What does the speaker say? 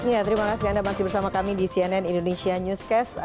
ya terima kasih anda masih bersama kami di cnn indonesia newscast